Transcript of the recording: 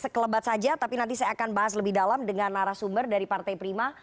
sekelebat saja tapi nanti saya akan bahas lebih dalam dengan narasumber dari partai prima